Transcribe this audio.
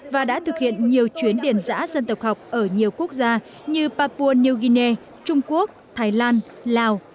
và đã thực hiện nhiều chuyến điền giã dân tộc học ở nhiều quốc gia như papua new guinea trung quốc thái lan lào